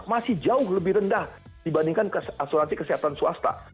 masih jauh lebih rendah dibandingkan asuransi kesehatan swasta